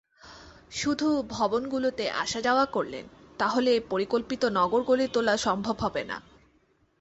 শুধু ভবনগুলোতে আসা-যাওয়া করলেন, তাহলে পরিকল্পিত নগর গড়ে তোলা সম্ভব হবে না।